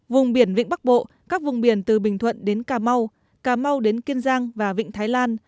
vùng biển vịnh bắc bộ các vùng biển từ bình thuận đến cà mau cà mau đến kiên giang và vịnh thái lan